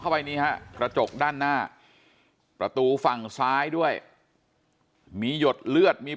นี่ฮะกระจกด้านหน้าประตูฝั่งซ้ายด้วยมีหยดเลือดมี